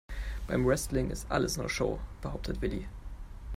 Beim Wrestling ist alles nur Show, behauptet Willi.